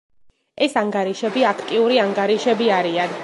ეს ანგარიშები აქტიური ანგარიშები არიან.